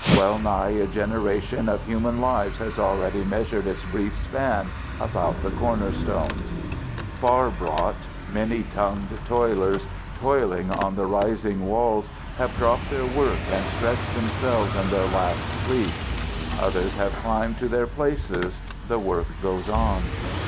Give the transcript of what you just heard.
Well nigh a generation of human lives has already measured its brief span about the cornerstones. Far brought, many tongued toilers, toiling on the rising walls, have dropped their work and stretched themselves in their last sleep; others have climbed to their places; the work goes on.